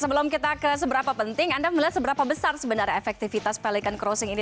sebelum kita ke seberapa penting anda melihat seberapa besar sebenarnya efektivitas pelikan crossing ini